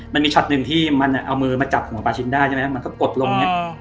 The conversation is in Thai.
มันมีช็อตหนึ่งที่มันเอามือมาจับหัวปาชินได้มันก็กดลง